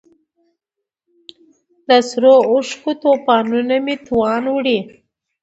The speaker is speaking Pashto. د سرو اوښکو توپانونو مې توان وړی